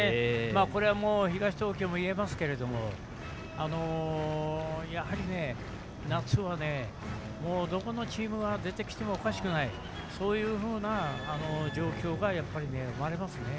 これは東東京にも言えますけどやはり、夏はどこのチームが出てきてもおかしくないそういうふうな状況がありますね。